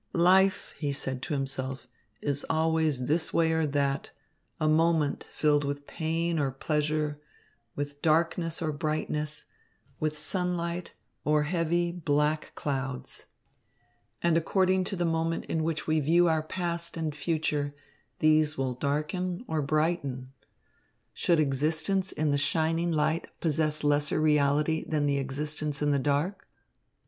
"Life," he said to himself, "is always this way or that, a moment filled with pain or pleasure, with darkness or brightness, with sunlight or heavy, black clouds; and according to the moment in which we view our past and future, these will darken or brighten. Should existence in the shining light possess lesser reality than existence in the dark?"